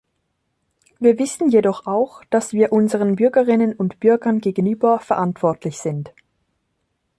Wir wissen jedoch auch, dass wir unseren Bürgerinnen und Bürgern gegenüber verantwortlich sind.